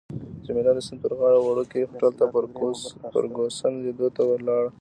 جميله د سیند پر غاړه وړوکي هوټل ته فرګوسن لیدو ته ولاړه.